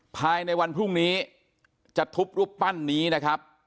ภายในวันพรุ่งนี้จะทุบรูปปั้นนี้นะครับ